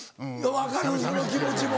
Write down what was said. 分かるその気持ちも。